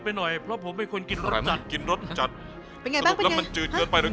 อ้าวฉันหยิบช้อนให้นะ